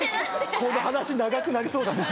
この話長くなりそうだな。